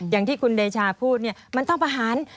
อย่างที่คุณเดชาพูดเนี่ยมันต้องประหาร